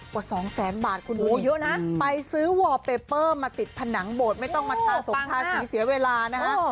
กว่าสองแสนบาทคุณดูดิโหเยอะนะไปซื้อมาติดผนังโบดไม่ต้องมาทาสงทาสีเสียเวลานะคะ